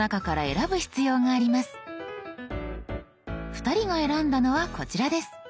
２人が選んだのはこちらです。